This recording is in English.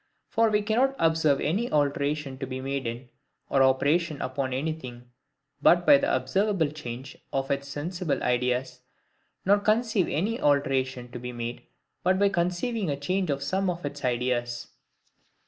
For we cannot observe any alteration to be made in, or operation upon anything, but by the observable change of its sensible ideas; nor conceive any alteration to be made, but by conceiving a change of some of its ideas.